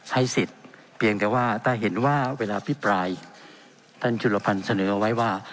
ให้สิทธิ์เพียงแต่ว่าถ้าเห็นว่าเวลาพิปรายท่านจุลพันธ์เสนอไว้ว่า